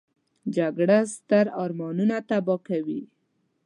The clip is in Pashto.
جګړه ستر ارمانونه تباه کوي